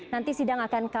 nanti sidang akan kami lakukan